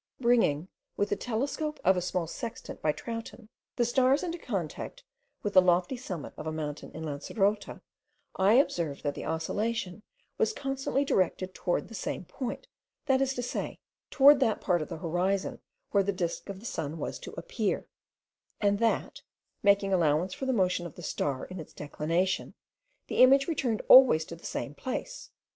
Bringing, with the telescope of a small sextant by Troughton, the stars into contact with the lofty summit of a mountain in Lancerota, I observed that the oscillation was constantly directed towards the same point, that is to say, towards that part of the horizon where the disk of the sun was to appear; and that, making allowance for the motion of the star in its declination, the image returned always to the same place.